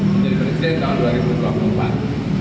menjadi presiden tahun dua ribu dua puluh empat